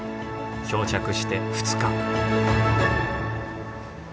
漂着して２日。